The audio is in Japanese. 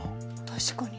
確かに。